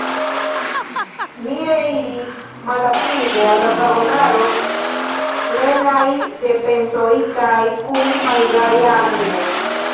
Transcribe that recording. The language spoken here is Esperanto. Ni reiris malrapide al la vagonaro, plenaj de pensoj kaj kun malgaja animo.